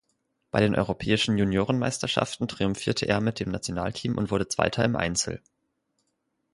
Bei den europäischen Juniorenmeisterschaften triumphierte er mit dem Nationalteam und wurde Zweiter im Einzel.